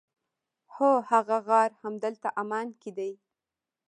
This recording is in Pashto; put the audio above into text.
هو هغه غار همدلته عمان کې دی.